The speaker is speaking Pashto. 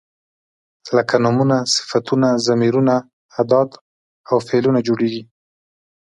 لکه نومونه، صفتونه، ضمیرونه، ادات او فعلونه جوړیږي.